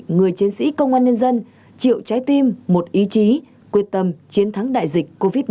người chiến sĩ công an nhân dân triệu trái tim một ý chí quyết tâm chiến thắng đại dịch covid một mươi chín